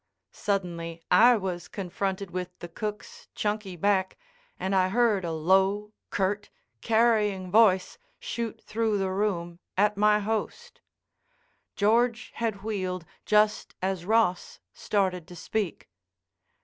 Suddenly I was confronted with the cook's chunky back and I heard a low, curt, carrying voice shoot through the room at my host. George had wheeled just as Ross started to speak.